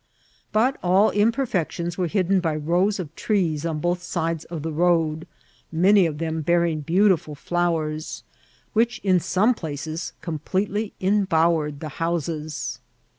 But all imperfec tions were hidden by rows of trees on both sides of the road, many oS them bearing beautifiil flowos, which in some places completely imbowered the houses.